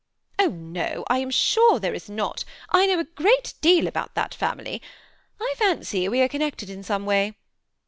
'^ Oh no, I am sure there is not ; I know a great deal about that family. I fancy we are connected in some way.